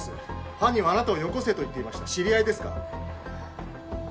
犯人はあなたをよこせと言っていました知り合いですか？